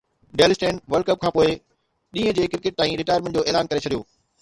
deal Steyn world cup کانپوءِ ڏينهن جي ڪرڪيٽ تان رٽائرمينٽ جو اعلان ڪري ڇڏيو